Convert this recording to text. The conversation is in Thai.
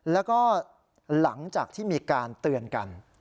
แล้วก็หลังจากที่มีการเตือนกัน